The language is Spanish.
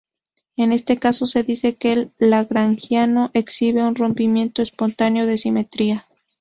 En este caso, se dice que el lagrangiano exhibe un rompimiento espontáneo de simetría.